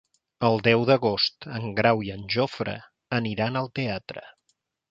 El deu d'agost en Grau i en Jofre aniran al teatre.